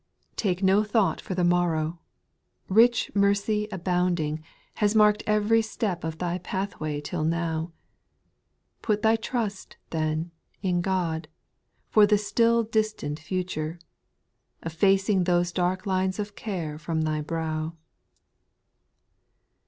) 31* 864 SPIRITUAL SONGS. 8. " Take no thought for the morrow," rich mercy abounding, Has marked ev'ry step of thy path way till now ; Put thy trust, then, in God, for the still dis tant future. Effacing those dark lines of care from thy brow.